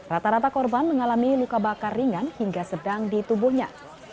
rata rata korban mengalami luka bakar ringan hingga sedang di tubuhnya